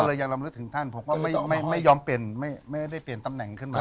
เลยยังลำลึกถึงท่านผมก็ไม่ยอมเปลี่ยนไม่ได้เปลี่ยนตำแหน่งขึ้นมา